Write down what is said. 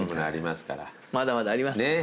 まだまだありますか。